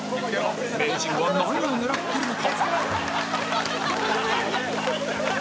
名人は何を狙ってるのか？